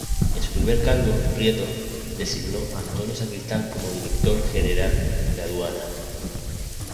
En su primer cargo, Prieto designó a Antonio Sacristán como Director General de Aduanas.